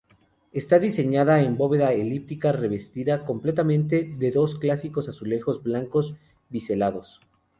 Está diseñada en bóveda elíptica revestida completamente de los clásicos azulejos blancos biselados.